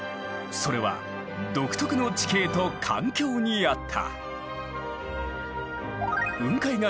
それは独特の地形と環境にあった。